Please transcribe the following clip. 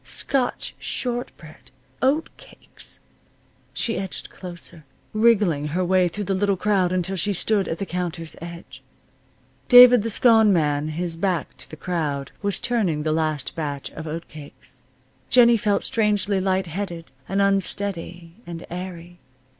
Scotch short bread! Oat cakes! She edged closer, wriggling her way through the little crowd until she stood at the counter's edge. David, the Scone Man, his back to the crowd, was turning the last batch of oat cakes. Jennie felt strangely light headed, and unsteady, and airy.